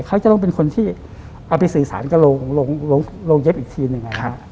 เขาจะต้องเป็นคนที่เอาไปสื่อสารกับโรงเย็บอีกทีหนึ่งนะครับ